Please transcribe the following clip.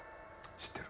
知ってる。